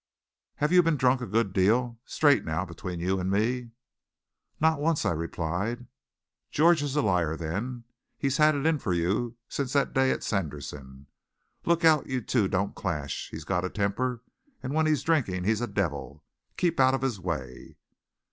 Have you been drunk a good deal? Straight now, between you and me." "Not once," I replied. "George's a liar then. He's had it in for you since that day at Sanderson. Look out you two don't clash. He's got a temper, and when he's drinking he's a devil. Keep out of his way."